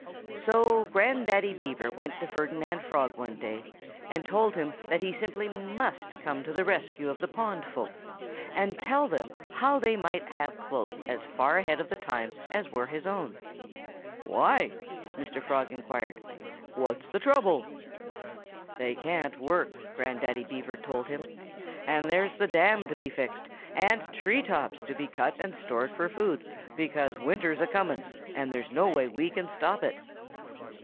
So Grandaddy Beaver went to Ferdinand Frog one day and told him that he simply must come to the rescue of the pond folk, and tell them how they might have clothes as far ahead of the times as were his own. "Why?" Mr. Frog inquired. "What's the trouble?" "They can't work," Grandaddy Beaver told him. "And there's the dam to be fixed, and tree tops to be cut and stored for food, because winter's a coming, and there's no way we can stop it."